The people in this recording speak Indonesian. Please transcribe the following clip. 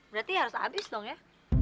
berarti harus habis dong ya